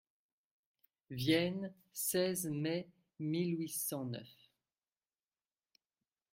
Vienne, seize mai mille huit cent neuf.